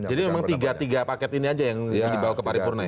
jadi memang tiga paket ini aja yang dibawa ke paripurna ya